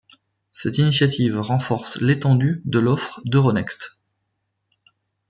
Cette initiative renforce l'étendue de l'offre d'Euronext.